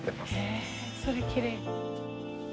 へえそれきれい。